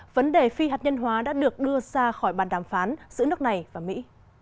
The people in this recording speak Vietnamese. vấn đề phi hạt nhân hóa đã được đưa ra khỏi bàn đàm phán giữa nước này và mỹ